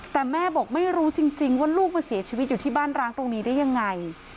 แต่แม่บอกไม่รู้จริงว่าลูกมาเสียชีวิตอยู่ที่บ้านร้างตรงนี้ได้ยังไง